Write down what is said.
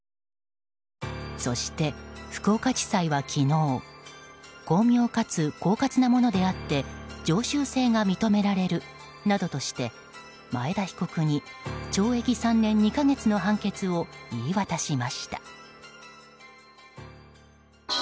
そして、福岡地裁は昨日巧妙かつ狡猾なものであって常習性が認められるなどとして前田被告に懲役３年２か月の判決を言い渡しました。